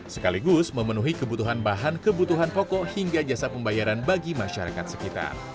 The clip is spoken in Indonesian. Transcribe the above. sekaligus memenuhi kebutuhan bahan kebutuhan pokok hingga jasa pembayaran bagi masyarakat sekitar